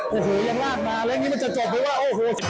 หือยังลากมาแล้วอันนี้มันจะจบเพราะว่าโอ้โห